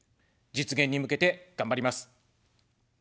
実現に向けて頑張ります。